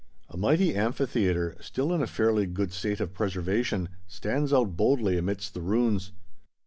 A mighty amphitheatre, still in a fairly good state of preservation, stands out boldly amidst the ruins.